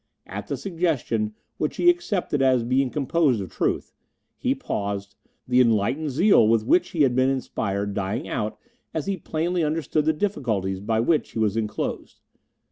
At the suggestion, which he accepted as being composed of truth, he paused, the enlightened zeal with which he had been inspired dying out as he plainly understood the difficulties by which he was enclosed.